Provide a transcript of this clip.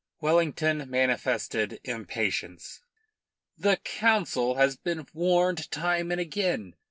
Wellington manifested impatience. "The Council has been warned time and again.